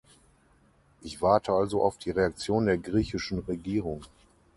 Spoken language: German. Ich warte also auf die Reaktion der griechischen Regierung.